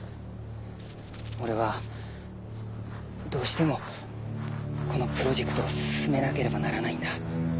俺はどうしてもこのプロジェクトを進めなければならないんだ。